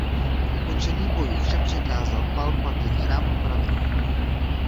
Po ukončení bojů však přikázal Palpatine chrám opravit.